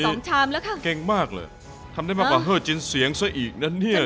ชามแล้วค่ะเก่งมากเลยทำได้มากกว่าเฮอร์จินเสียงซะอีกนะเนี่ย